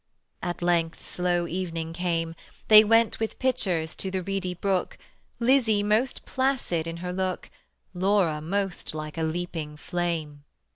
At length slow evening came: They went with pitchers to the reedy brook; Lizzie most placid in her look, Laura most like a leaping flame.